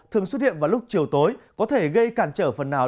thường xuất hiện vào lúc chiều tối có thể gây cản trở phần nào